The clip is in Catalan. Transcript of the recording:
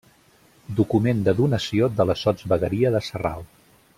Document de donació de la Sotsvegueria de Sarral.